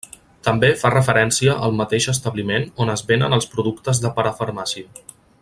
També fa referència al mateix establiment on es venen els productes de parafarmàcia.